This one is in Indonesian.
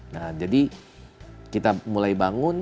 nah jadi kita mulai bangun